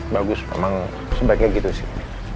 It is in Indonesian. bagus memang sebaiknya gitu sih